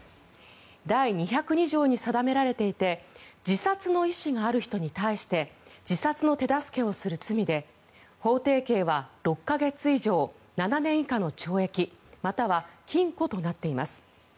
第２０２条に定められていて自殺の意思がある人に対して自殺の手助けをする罪で法定刑は６か月以上７年以下の懲役または禁錮となっています。